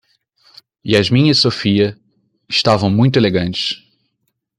Yasmin e Sophia estavam muito elegantes.